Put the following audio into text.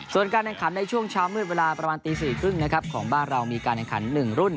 ส่วนการแข่งขันในช่วงเช้ามืดเวลาประมาณตี๔๓๐นะครับของบ้านเรามีการแข่งขัน๑รุ่น